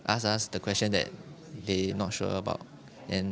dan mereka bisa bertanya pertanyaan yang mereka tidak yakin tentang